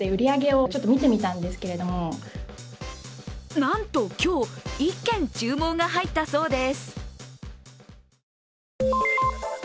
なんと今日、１件注文が入ったそうです。